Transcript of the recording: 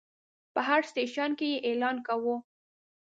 په هر سټیشن کې به یې اعلان کاوه.